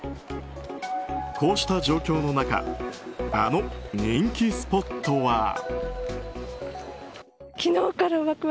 こうした状況の中あの人気スポットは。